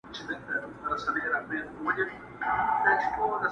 کرۍ ورځ به ومه ستړی ډکول مي ګودامونه!